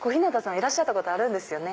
いらっしゃったことあるんですよね？